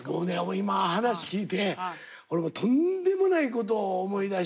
今話聞いて俺もうとんでもないことを思い出して。